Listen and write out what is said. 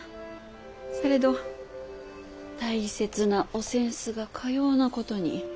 されど大切なお扇子がかようなことに。